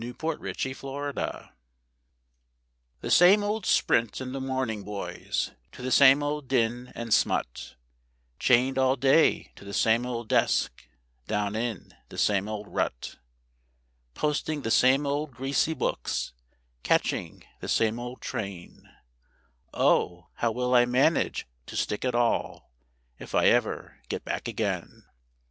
The Revelation _The same old sprint in the morning, boys, to the same old din and smut; Chained all day to the same old desk, down in the same old rut; Posting the same old greasy books, catching the same old train: Oh, how will I manage to stick it all, if I ever get back again?